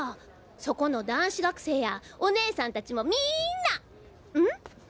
そこの男子学生やお姉さん達もみんなん？